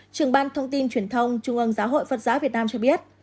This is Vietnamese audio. trường ban thông tin truyền thông trung ương giáo hội phật giáo việt nam cho biết